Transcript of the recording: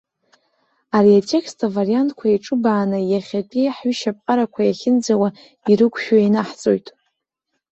Ари атекст авариантқәа еиҿыбааны, иахьатәи ҳҩышьаԥҟарақәа иахьынӡауа ирықәшәо ианаҳҵоит.